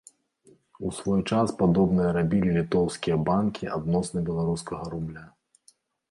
У свой час падобнае рабілі літоўскія банкі адносна беларускага рубля.